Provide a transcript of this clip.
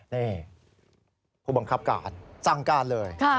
นี่ผู้บังคับการสั่งการเลย